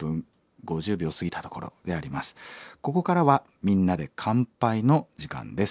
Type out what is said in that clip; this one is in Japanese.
ここからは「みんなで乾杯」の時間です。